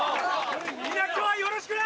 みんな今日はよろしくな！